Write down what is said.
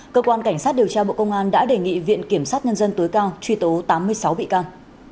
cơ quan cảnh sát điều tra bộ công an đã đề nghị viện kiểm sát nhân dân tối cao truy tố tám mươi sáu bị can